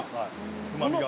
うまみが。